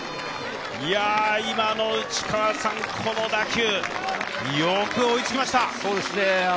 いや、今の内川さん、この打球、よく追いつきました！